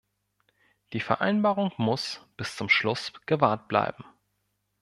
Die Vereinbarung muss bis zum Schluss gewahrt bleiben.